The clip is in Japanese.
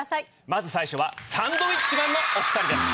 まず最初はサンドウィッチマンのお２人です。